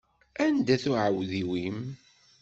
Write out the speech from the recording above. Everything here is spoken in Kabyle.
Anda-t uɛewdiw-im?